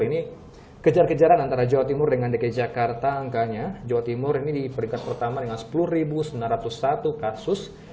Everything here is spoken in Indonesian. ini kejar kejaran antara jawa timur dengan dki jakarta angkanya jawa timur ini di peringkat pertama dengan sepuluh sembilan ratus satu kasus